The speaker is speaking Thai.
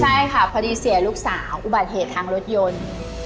ใช่ค่ะพอดีเสียลูกสาวอุบัติเหตุทางรถยนต์